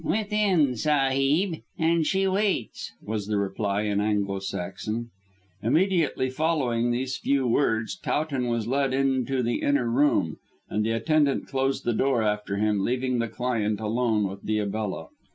"Within, sahib, and she waits," was the reply in Anglo Saxon. Immediately following these few words Towton was led into the inner room, and the attendant closed the door after him, leaving the client alone with Diabella.